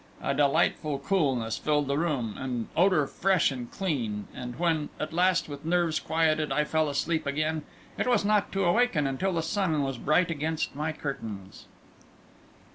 A delightful coolness filled the room, an odour fresh and clean; and when, at last, with nerves quieted, I fell asleep again, it was not to awaken until the sun was bright against my curtains.